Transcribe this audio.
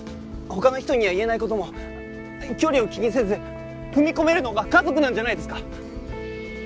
他の人には言えない事も距離を気にせず踏み込めるのが家族なんじゃないですか？